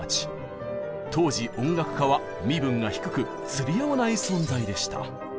当時音楽家は身分が低く釣り合わない存在でした。